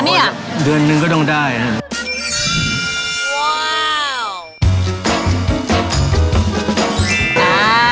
เนี้ยเดือนนึงก็ต้องได้อ่ะ